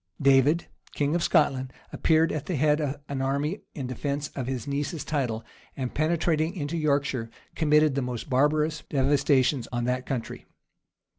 } David, king of Scotland, appeared at the head of an army in defence of his niece's title, and penetrating into Yorkshire, committed the most barbarous devastations on that country.